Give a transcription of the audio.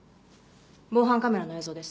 防犯カメラの映像です。